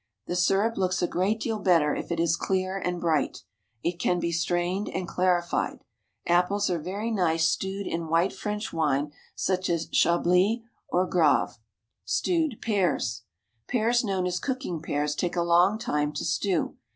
The syrup looks a great deal better if it is clear and bright. It can be strained and clarified. Apples are very nice stewed in white French wine, such as Chablis or Graves. STEWED PEARS. Pears known as cooking pears take a long time to stew.